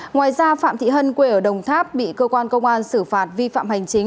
ngoài ra phạm thị hân quê ở đồng tháp bị cơ quan công an xử phạt vi phạm hành chính